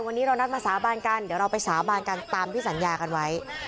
วันนี้เรานัดมาสาบานกันเดี๋ยวเราไปสาบานกันตามที่สัญญากันไว้